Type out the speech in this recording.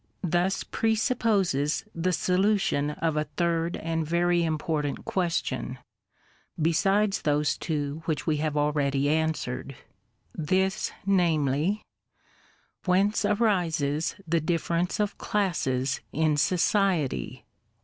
— thus pre supposes the solution of a third and very important question, besides those two which we have already answered; — this, namely, — "Whence arises the difference of classes in society?